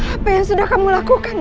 apa yang sudah kamu lakukan